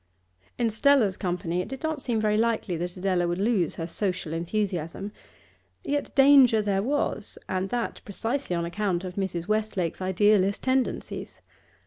In Stella's company it did not seem very likely that Adela would lose her social enthusiasm, yet danger there was, and that precisely on account of Mrs. Westlake's idealist tendencies.